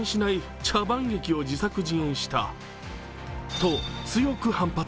と強く反発。